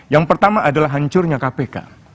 yang pertama adalah hancurnya kpk